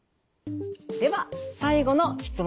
では最後の質問